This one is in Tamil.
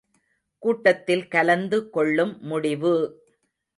கூட்டத்தில் கலந்து கொள்ளும் முடிவு!